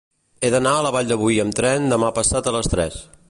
He d'anar a la Vall de Boí amb tren demà passat a les tres.